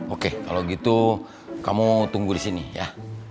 oke kalau gitu kamu tunggu di sini ya